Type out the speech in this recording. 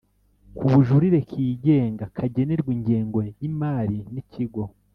k Ubujurire kigenga kagenerwa ingengo y imari n Ikigo